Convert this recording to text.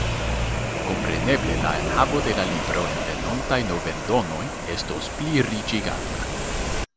Kompreneble la enhavo de la libro en venontaj noveldonoj estos pliriĉigata.